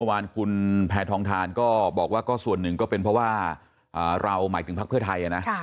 วันคุณแพทอองทานบอกว่าก็ส่วนหนึ่งก็เป็นเพราะว่าเราหมายถึงพรรคเผื่อไทย